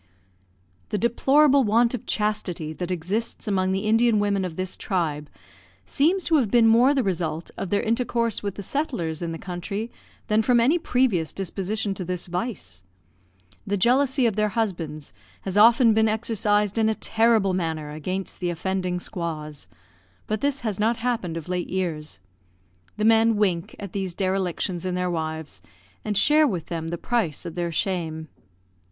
The deplorable want of chastity that exists among the Indian women of this tribe seems to have been more the result of their intercourse with the settlers in the country than from any previous disposition to this vice. The jealousy of their husbands has often been exercised in a terrible manner against the offending squaws; but this has not happened of late years. The men wink at these derelictions in their wives, and share with them the price of their shame.